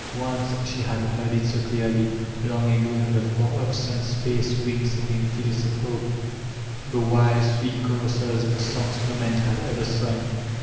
Once she had heard it so clearly, — ^kmg ago, on the far off sun spaced, wind singing fields of home,— the wild, sweet choruses, the soQgs no man had ever sung.